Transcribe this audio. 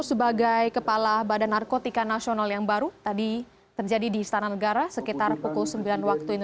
sebagai kepala bnn yang baru tadi terjadi di istana negara sekitar pukul sembilan wib